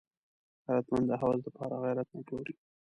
غیرتمند د هوس د پاره غیرت نه پلوري